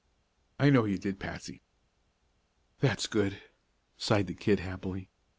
"I know you did, Patsy." "That's good," sighed the kid happily.